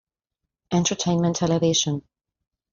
Entertaiment Television.